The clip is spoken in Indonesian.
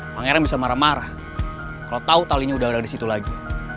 bang erang bisa marah marah kalo tau talinya udah ada disitu lagi